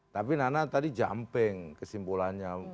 tapi nana tadi jumping kesimpulannya